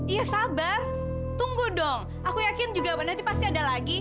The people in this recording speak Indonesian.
iya sabar tunggu dong aku yakin juga berarti pasti ada lagi